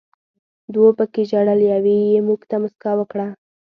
دوو پکې ژړل، یوې یې موږ ته موسکا وکړه.